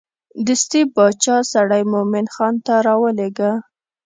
دستې باچا سړی مومن خان ته راولېږه.